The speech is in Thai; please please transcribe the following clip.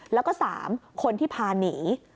แล้วก็๓คนที่พาหนี